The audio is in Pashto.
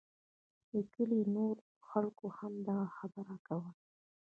د کلي نورو خلکو هم دغه خبره کوله.